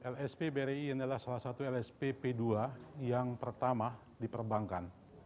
lsp bri ini adalah salah satu lsp p dua yang pertama diperbankan